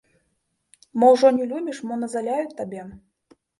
Мо ўжо не любіш, мо назаляю табе?